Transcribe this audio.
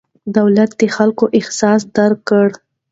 دولت د خلکو احساس درک کړي.